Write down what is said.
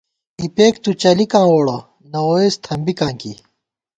اِپېک تُو چلِکاں ووڑہ ، نہ ووئیس تھنبِکاں کی